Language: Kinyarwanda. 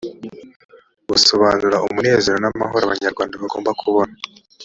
busobanura umunezero n amahoro abanyarwanda bagomba kubona